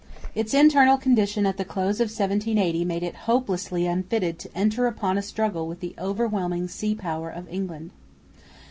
Its internal condition at the close of 1780 made it hopelessly unfitted to enter upon a struggle with the overwhelming sea power of England.